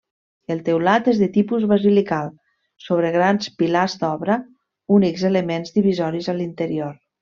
El teulat és de tipus basilical sobre grans pilars d'obra, únics elements divisoris a l'interior.